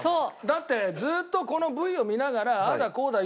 だってずっとこのＶを見ながらああだこうだ